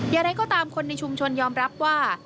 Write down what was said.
อย่างไรก็ตามคนในชุมชนยอมรับว่า